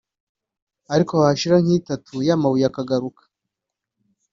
ariko hashira nk’itatu ya mabuye akagaruka